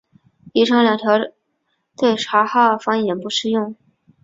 以上两条对察哈尔方言不适用。